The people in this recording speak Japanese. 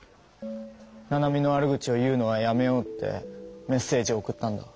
「ナナミの悪口を言うのはやめよう」ってメッセージを送ったんだ。